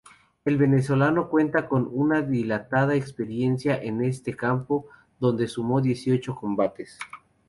El venezolano cuenta con una dilatada experiencia en ese campo, donde sumó dieciocho combates.